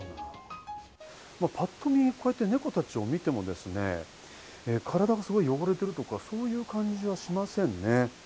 ぱっと見、猫たちを見ても体が汚れているとか、そういう感じはしませんね。